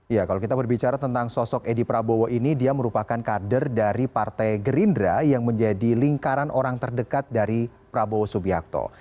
ya kalau kita berbicara tentang sosok edi prabowo ini dia merupakan kader dari partai gerindra yang menjadi lingkaran orang terdekat dari prabowo subianto